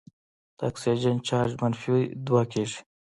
د اکسیجن چارج منفي دوه کیږي.